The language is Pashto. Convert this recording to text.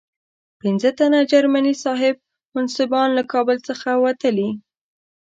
پنځه تنه جرمني صاحب منصبان له کابل څخه وتلي.